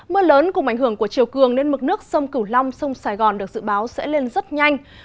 mưa lớn cùng ảnh hưởng của chiều cường nên mực nước sông cửu long sông sài gòn được dự báo sẽ lên rất nhanh